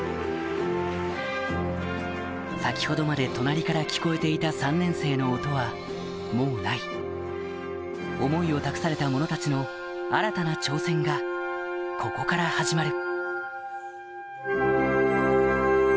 先ほどまで隣から聞こえていた３年生の音はもうない思いを託された者たちの新たな挑戦がここから始まる